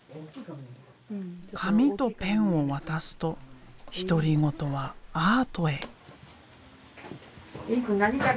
紙とペンを渡すと独り言はアートへ。